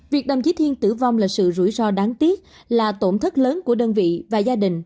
việc đồng chí thiên tử vong là sự rủi ro đáng tiếc là tổn thất lớn của đơn vị và gia đình